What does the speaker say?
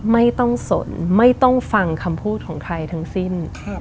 ไม่ต้องสนไม่ต้องฟังคำพูดของใครทั้งสิ้น